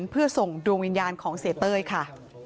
เพื่อส่งดวงวิญญาณของเสียเต้ยค่ะ